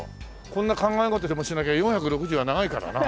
こんな考え事でもしなきゃ４６０は長いからな。